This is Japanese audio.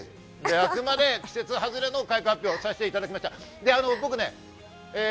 あくまで季節外れの開花発表させていただきました、僕ね。